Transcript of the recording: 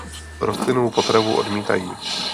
Rostlinnou potravu odmítají.